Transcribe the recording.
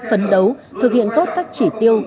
phân đấu thực hiện tốt các chỉ tiêu